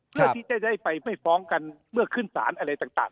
เพื่อที่จะได้ไปไม่ฟ้องกันเมื่อขึ้นสารอะไรต่าง